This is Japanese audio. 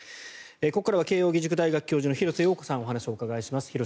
ここからは慶應義塾大学教授の廣瀬陽子さんにお話をお伺いします。